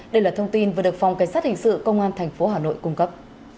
đây là thông tin vừa được phòng cảnh sát hình sự công an tp hà nội cung cấp